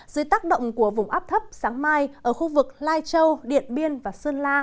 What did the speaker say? dưới tác động của vùng áp thấp sáng mai ở khu vực lai châu điện biên và sơn la